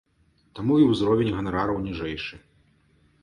Таму і ўзровень ганарараў ніжэйшы.